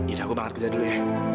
ida aku banget kerja dulu ya